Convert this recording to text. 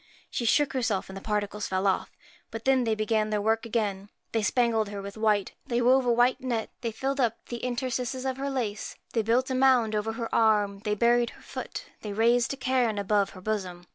She shook herself, and the particles fell off. But then they began theirwork again : they spangled her with white, they wove a white net, they filled up the in terstices of her lace, they built a mound over her arm, they buried her foot, they raised a cairn above her bosom.